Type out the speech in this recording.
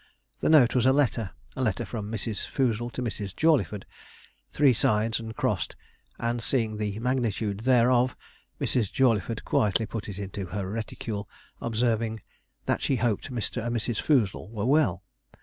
The note was a letter a letter from Mrs. Foozle to Mrs. Jawleyford, three sides and crossed; and seeing the magnitude thereof, Mrs. Jawleyford quietly put it into her reticule, observing, 'that she hoped Mr. and Mrs. Foozle were well?'